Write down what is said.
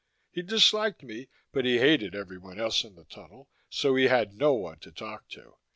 He disliked me, but he hated everyone else in the tunnel, so he had no one to talk to.